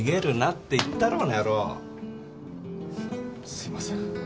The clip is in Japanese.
すみません。